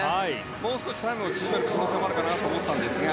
もう少しタイムを縮める可能性もあるかなと思ったんですが。